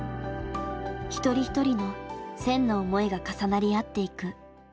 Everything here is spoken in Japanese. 一人一人の１，０００の思いが重なり合っていく。